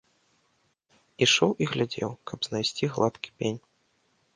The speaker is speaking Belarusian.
Ішоў і глядзеў, каб знайсці гладкі пень.